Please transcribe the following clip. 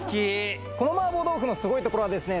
この麻婆豆腐のすごいところはですね